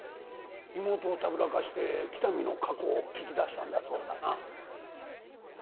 妹をたぶらかして喜多見の過去を聞き出したんだそうだな